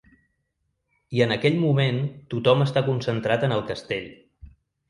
I en aquell moment tothom està concentrat en el castell.